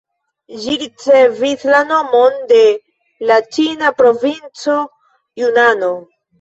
Ĝi ricevis la nomon de la ĉina provinco Junano.